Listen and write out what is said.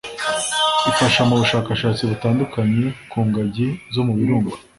ifasha mu bushakashatsi butandukanye ku ngagi zo mu Birunga